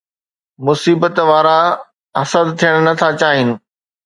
مصيبت وارا حسد ٿيڻ نٿا چاهين